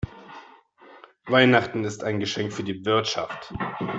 Weihnachten ist ein Geschenk für die Wirtschaft.